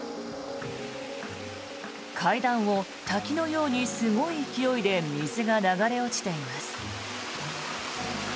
階段を滝のようにすごい勢いで水が流れ落ちています。